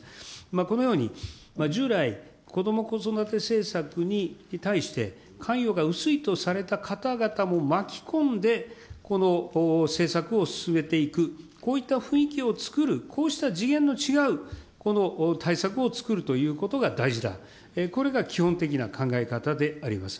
このように、従来、こども・子育て政策に対して関与が薄いとされた方々も巻き込んで、この政策を進めていく、こういった雰囲気をつくる、こうした次元の違う対策を作るということが大事だ、これが基本的な考え方であります。